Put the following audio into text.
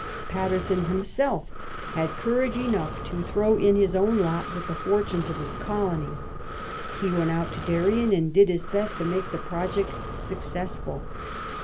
Paterson himself had courage enough to throw in his own lot with the fortunes of his colony. He went out to Darien and did his best to make the project successful.